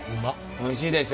おいしいでしょ？